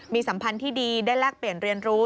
มีสัมพันธ์ที่ดีได้แลกเปลี่ยนเรียนรู้